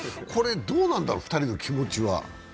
これ、どうなんだろう、２人の気持ちは。